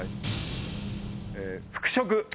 服飾。